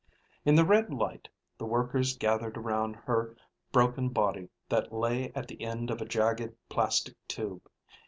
In the red light the workers gathered around her broken body that lay at the end of a jagged plastic tube.